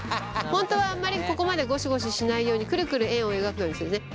本当はあんまりここまでゴシゴシしないようにくるくる円を描くようにするね。